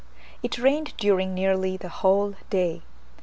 It rained during nearly the whole day.